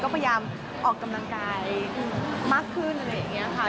ก็พยายามออกกำลังกายมากขึ้นอะไรอย่างนี้ค่ะ